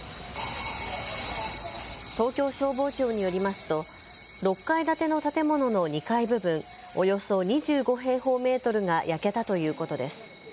東京消防庁によりますと６階建ての建物の２階部分およそ２５平方メートルが焼けたということです。